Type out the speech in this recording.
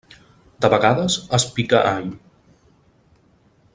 De vegades es pica all.